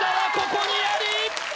ここにあり！